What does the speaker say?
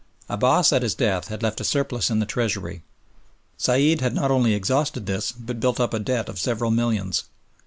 Abbass at his death had left a surplus in the treasury. Said had not only exhausted this but built up a debt of several millions.